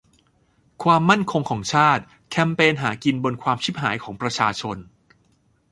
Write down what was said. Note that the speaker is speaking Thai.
"ความมั่นคงของชาติ" แคมเปญหากินบนความฉิบหายของประชาชน